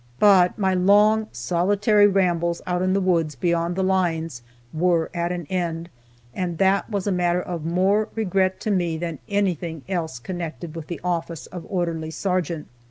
But my long, solitary rambles out in the woods, beyond the lines, were at an end, and that was a matter of more regret to me than anything else connected with the office of orderly sergeant.